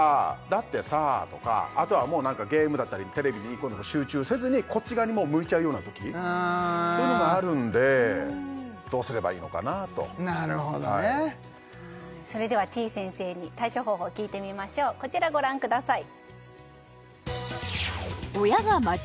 「だってさ」とかあとはゲームだったりテレビに集中せずにこっち側に向いちゃうようなときそういうのがあるんでどうすればいいのかなとなるほどねはいそれではてぃ先生に対処方法聞いてみましょうこちらご覧ください